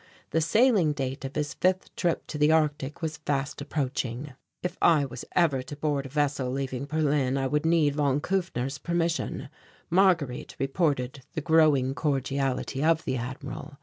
The sailing date of his fifth trip to the Arctic was fast approaching; if I was ever to board a vessel leaving Berlin I would need von Kufner's permission. Marguerite reported the growing cordiality of the Admiral.